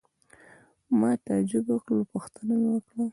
ما تعجب وکړ او پوښتنه مې وکړه.